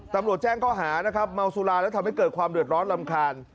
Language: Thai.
แจ้งข้อหานะครับเมาสุราแล้วทำให้เกิดความเดือดร้อนรำคาญ